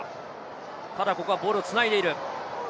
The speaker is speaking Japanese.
ただここはボールを繋いでいる。